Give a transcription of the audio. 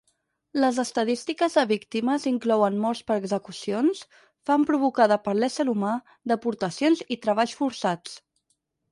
Les estadístiques de víctimes inclouen morts per execucions, fam provocada per l'ésser humà, deportacions i treballs forçats.